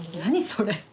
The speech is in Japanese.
それ。